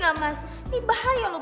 ya udah yuk